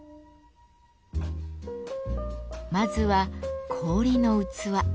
まずは氷の器。